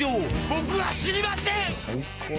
僕は死にません！